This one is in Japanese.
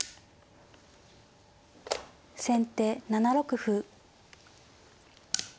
先手７六歩。